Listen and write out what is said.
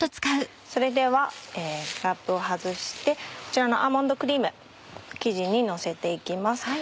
それではラップを外してこちらのアーモンドクリーム生地にのせて行きます。